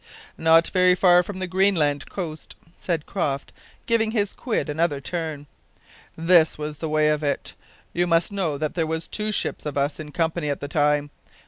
"Not very far from the Greenland coast," said Croft, giving his quid another turn. "This was the way of it. You must know that there was two ships of us in company at the time.